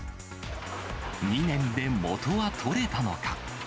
２年で元は取れたのか。